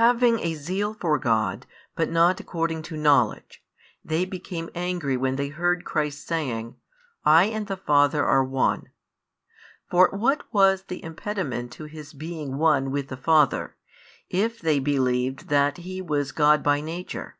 Having a zeal for God, but not according to knowledge, they became angry when they heard Christ saying: I and the Father are One. For what was the impediment to His being One with the Father, if they believed that He was God by Nature?